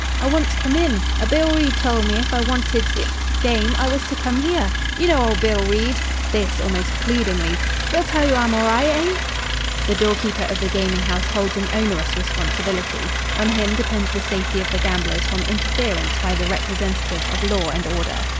"I want to come in. A Bill Reid tol' me if I wanted hic game I was to come here. You know ol' Bill Reid" this almost pleadingly "he'll tell you I'm allri', eh?" The door keeper of the gaming house holds an onerous responsibility. On him depends the safety of the gamblers from interference by the representatives of law and order.